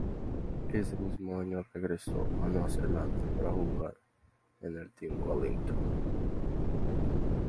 Ese mismo año regresó a Nueva Zelanda para jugar en el Team Wellington.